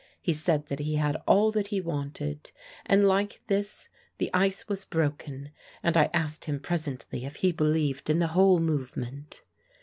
He said that he had all that he wanted; and like this the ice was broken, and I asked him presently if he believed in the whole movement.